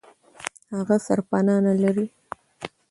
هغه سرپنا نه لري.